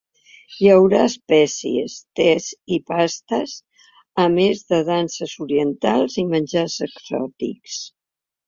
Hi haurà espècies, tes i pastes, a més de danses orientals i menjars exòtics.